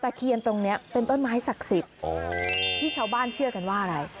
เคียนตรงนี้เป็นต้นไม้ศักดิ์สิทธิ์ที่ชาวบ้านเชื่อกันว่าอะไร